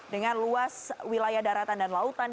dengan luas wilayah daratan dan lautan